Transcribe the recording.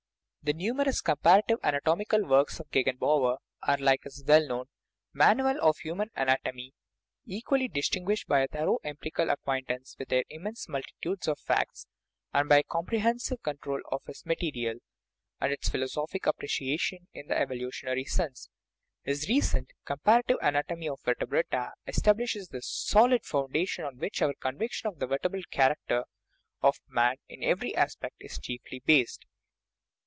The numerous comparative an atomical works of Gegenbaur are, like his well known THE RIDDLE OF THE UNIVERSE Manual of Hitman Anatomy, equally distinguished by a thorough empirical acquaintance with their im mense multitudes of facts, and by a comprehensive con trol of his material, and its philosophic appreciation in the evolutionary sense. His recent Comparative An atomy of the Vertebrata establishes the solid foundation on which our conviction of the vertebral character of man in every aspect is chiefly based.